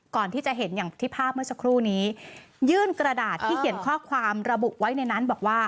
ก่อนที่จะเห็นอย่างที่ภาพเมื่อสักครู่นี้ยื่นกระดาษที่เขียนข้อความระบุไว้ในนั้นบอกว่า